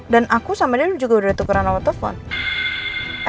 dan aku sama dia juga udah tukeran auto phone